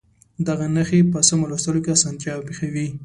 دغه نښې په سمو لوستلو کې اسانتیا پېښوي.